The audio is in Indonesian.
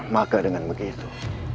maka dengan begitu